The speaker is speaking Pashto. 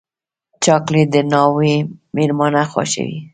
چاکلېټ د ناوې مېلمانه خوښوي.